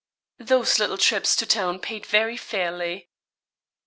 Those little trips to town paid very fairly.